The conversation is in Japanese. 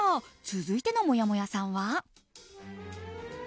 続いてのもやもやさんは。